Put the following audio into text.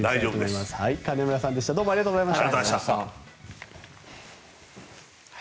金村さんでしたどうもありがとうございました。